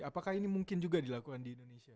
apakah ini mungkin juga dilakukan di indonesia